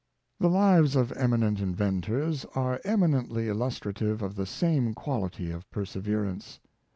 The lives of eminent inventors are eminently illustra tive of the same quality of perseverance.